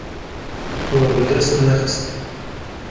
We bi dest nexist.